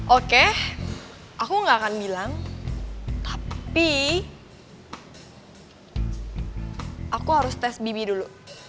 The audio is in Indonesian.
oke aku gak akan bilang tapi aku harus tes bb dulu